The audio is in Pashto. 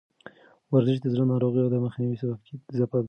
ورزش د زړه ناروغیو د مخنیوي سبب دی.